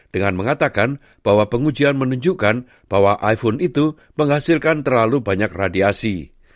dengan mengatakan bahwa pengujian menunjukkan bahwa iphone itu menghasilkan terlalu banyak radiasi